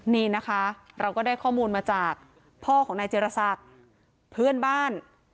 นี่นะคะเราก็ได้ข้อมูลมาจากพ่อของนายเจรศักดิ์เพื่อนบ้าน